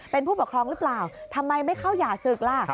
เป็นผู้ปกครองหรือเปล่าทำไมไม่เข้าหย่าศึกล่ะ